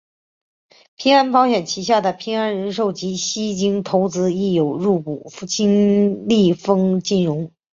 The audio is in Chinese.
平安保险旗下的平安人寿及西京投资亦有入股金利丰金融。